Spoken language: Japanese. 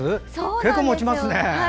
結構もちますね。